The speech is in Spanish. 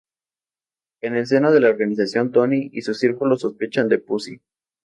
En el seno de la organización, Tony y su círculo sospechan de Pussy.